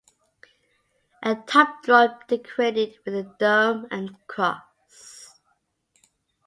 A top drum decorated with a dome and cross.